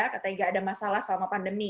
katanya nggak ada masalah selama pandemi